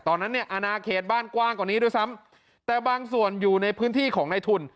ตอนนั้นเนี่ยอนาเขตบ้านกว้างกว่านี้ด้วยซ้ำแต่บางส่วนอยู่ในพื้นที่ของในทุน